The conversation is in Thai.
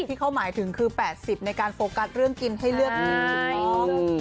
๘๐ที่เขาหมายถึงคือ๘๐ในการโฟกัสเรื่องกินให้เลือกดู